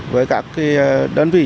với các đơn vị